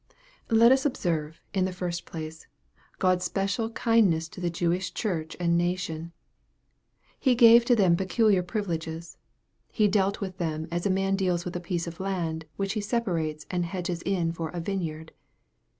Let us observe, in the first place, God's special kind ness to the Jewish Church and nation. He gave to them peculiar privileges. He dealt with them as a man deals with a piece of land which he separates and hedges in for "a vineyard."